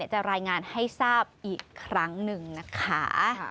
จะรายงานให้ทราบอีกครั้งหนึ่งนะคะ